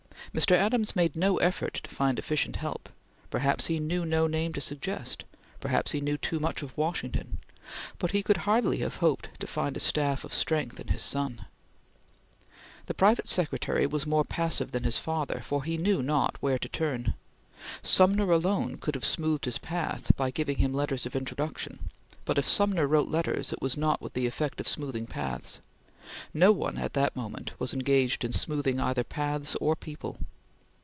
Mr. Adams made no effort to find efficient help; perhaps he knew no name to suggest; perhaps he knew too much of Washington, but he could hardly have hoped to find a staff of strength in his son. The private secretary was more passive than his father, for he knew not where to turn. Sumner alone could have smoothed his path by giving him letters of introduction, but if Sumner wrote letters, it was not with the effect of smoothing paths. No one, at that moment, was engaged in smoothing either paths or people.